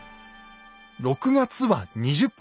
６月は２０分。